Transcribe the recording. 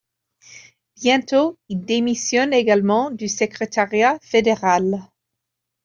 Bientôt, il démissionne également du secrétariat fédéral.